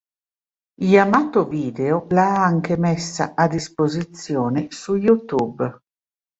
Yamato Video l'ha anche messa a disposizione su YouTube.